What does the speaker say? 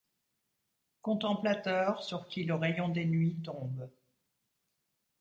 Contemplateur sur qui le rayon des nuits. tombe